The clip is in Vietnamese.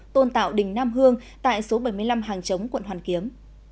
tôn tạo đình nam hương tại số bảy mươi năm hàng chống quận hoàn kiếm